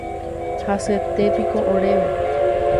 Hasyetépiko oréve